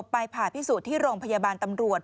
ไปผ่าพิสูจน์ที่โรงพยาบาลตำรวจ